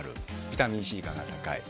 ビタミンＣ価が高い。